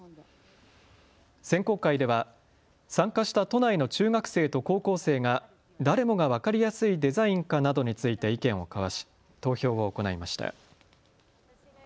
選考会では参加した都内の中学生と高校生が誰もが分かりやすいデザインかなどについて意見を交わし、投票を行いました。